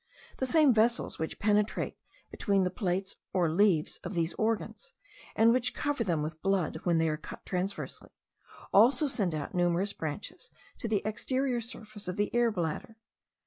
The same vessels which penetrate between the plates or leaves of these organs, and which cover them with blood when they are cut transversely, also send out numerous branches to the exterior surface of the air bladder.